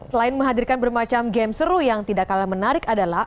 selain menghadirkan bermacam game seru yang tidak kalah menarik adalah